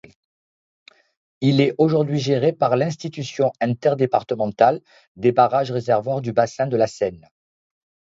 Il est aujourd'hui géré par l'Institution interdépartementale des barrages-réservoirs du bassin de la Seine.